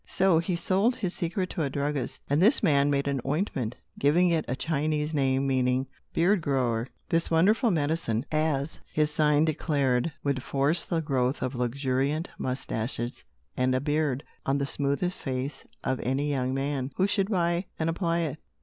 So, he sold his secret to a druggist, and this man made an ointment, giving it a Chinese name, meaning "beard grower." This wonderful medicine, as his sign declared, would "force the growth of luxuriant moustaches and a beard, on the smoothest face of any young man," who should buy and apply it.